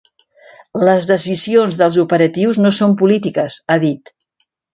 Les decisions dels operatius no són polítiques, ha dit.